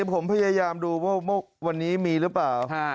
ผมพยายามดูว่าวันนี้มีหรือเปล่า